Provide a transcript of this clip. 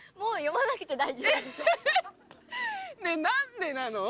えねぇ何でなの？